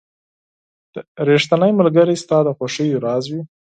• ریښتینی ملګری ستا د خوښیو راز وي.